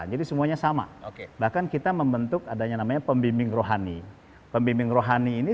jadi semuanya sama oke bahkan kita membentuk adanya namanya pembimbing rohani pembimbing rohani ini